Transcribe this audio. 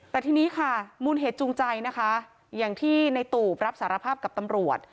แต่ทีนี้ค่ะมูลเหตุจูงใจนะคะอย่างที่ในตูบรับสารภาพกับตำรวจ